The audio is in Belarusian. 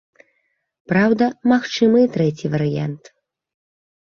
Праўда, магчымы і трэці варыянт.